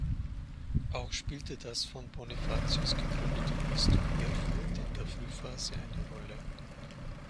Auch spielte das von Bonifatius gegründete Bistum Erfurt in der Frühphase eine Rolle.